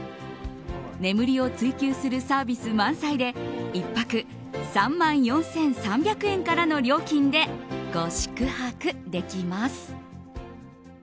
眠りを追求するサービス満載で１泊３万４３００円からの料金でご宿泊できます。